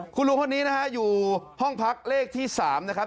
คุณลุงคนนี้นะฮะอยู่ห้องพักเลขที่๓นะครับ